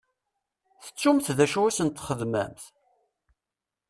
Tettumt d acu i sen-txedmemt?